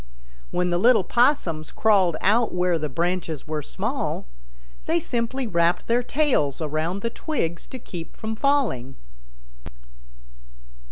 When the little Possums crawled out where the branches were small, they simply wrapped their tails around the twigs to keep from falling.